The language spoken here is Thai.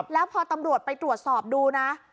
แล้วพอตำรวจไปตรวจสอบดูนะ